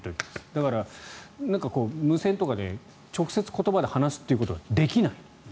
だから、無線とかで直接言葉で話すことができないと。